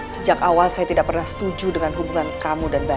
sejak awal saya tidak pernah setuju dengan hubungan kamu dan bayi